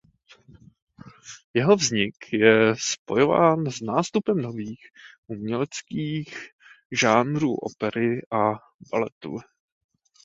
Jeho vznik je spojován s nástupem nových uměleckých žánrů opery a baletu.